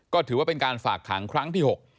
ก็ถือว่าเป็นการฝากขังครั้งที่๖